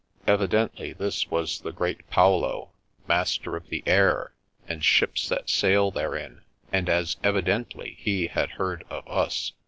' Evidently this was the great Paolo, master of the air and ships that sail therein; and as evidently he had heard of us.